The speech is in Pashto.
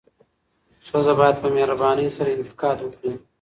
ښځه باید په مهربانۍ سره انتقاد وکړي.